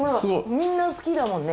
みんな好きだもんね